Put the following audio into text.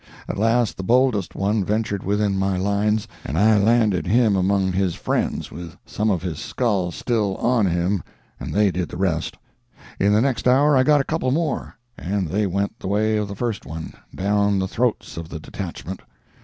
At last the boldest one ventured within my lines, and I landed him among his friends with some of his skull still on him, and they did the rest. In the next hour I got a couple more, and they went the way of the first one, down the throats of the detachment.